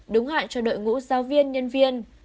đúng hạn cho đội ngũ giáo viên nhân viên